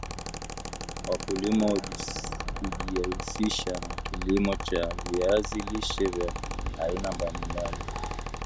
Wakulima hujihusisha na kilimo cha viazi lishe vya aina mbali mbali